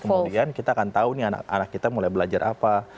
kemudian kita akan tahu nih anak anak kita mulai belajar apa